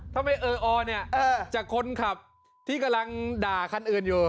ทำให้เออออเนี่ยจะคนขับที่กำลังด่าขั้นอื่นอยู่